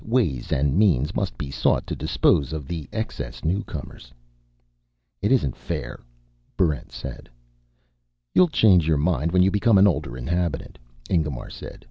Ways and means must be sought to dispose of the excess newcomers." "It isn't fair," Barrent said. "You'll change your mind when you become an older inhabitant," Ingemar said.